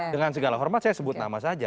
dengan segala hormat saya sebut nama saja